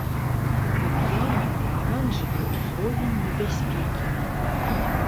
Аб'яўлены аранжавы ўзровень небяспекі.